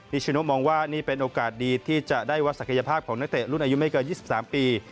ชิโนมองว่านี่เป็นโอกาสดีที่จะได้วัดศักยภาพของนักเตะรุ่นอายุไม่เกิน๒๓ปี